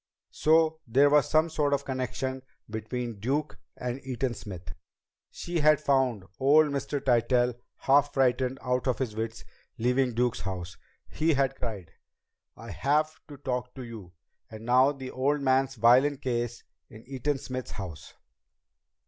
So there was some sort of connection between Duke and Eaton Smith! She had found old Mr. Tytell half frightened out of his wits leaving Duke's house. He had cried: "I have to talk to you!" And now the old man's violin case in Eaton Smith's house!